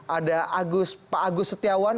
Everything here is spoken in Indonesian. ada pak agus setiawan